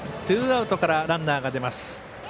ツーアウトからランナーが出ます。